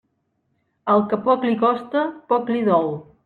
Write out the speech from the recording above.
Al que poc li costa, poc li dol.